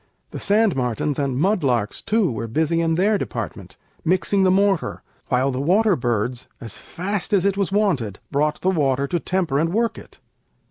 The sand martens And mud larks, too, were busy in their department, Mixing the mortar, while the water birds, As fast as it was wanted, brought the water To temper and work it.